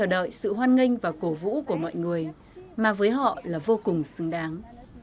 họ đang chờ đợi sự hoan nghênh và cổ vũ của mọi người mà với họ là vô cùng xứng đáng